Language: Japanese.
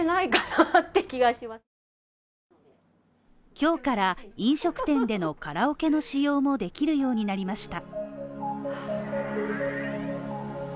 今日から飲食店でのカラオケの使用もできるようになりました。